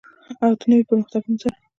او د نویو پرمختګونو سره.